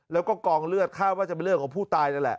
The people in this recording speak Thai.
แล้วก็กองเลือดคาดว่าจะเป็นเรื่องของผู้ตายนั่นแหละ